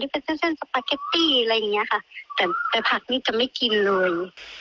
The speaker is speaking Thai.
เป็นเส้นเส้นสปาเกตตี้อะไรอย่างเงี้ยค่ะแต่แต่ผักนี่จะไม่กินเลย